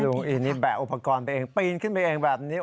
อีนี่แปะอุปกรณ์ไปเองปีนขึ้นไปเองแบบนี้